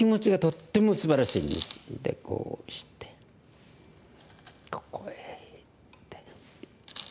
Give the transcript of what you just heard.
でこうしてここへいって。